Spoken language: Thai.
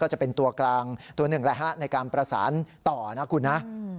ก็จะเป็นตัวกลางตัว๑และ๕ในการประสานต่อนะครับคุณฮะ